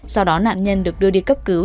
sau đó nạn nhân được đưa đi cấp cứu